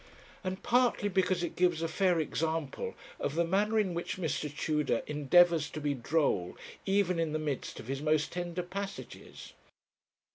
' And partly because it gives a fair example of the manner in which Mr. Tudor endeavours to be droll even in the midst of his most tender passages.